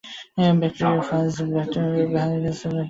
Bacteriophage ভাইরাসের নামকরণ করেন কে?